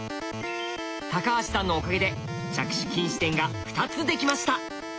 橋さんのおかげで着手禁止点が２つできました。